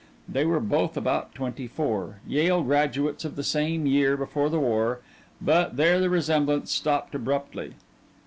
They were both about twenty four, Yale graduates of the year before the war; but there the resemblance stopped abruptly.